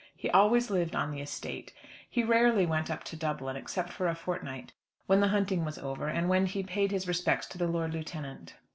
He always lived on the estate. He rarely went up to Dublin, except for a fortnight, when the hunting was over, and when he paid his respects to the Lord Lieutenant.